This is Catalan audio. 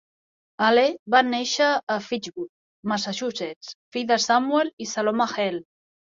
Hale va néixer a Fitchburg, Massachusetts, fill de Samuel i Saloma Hale.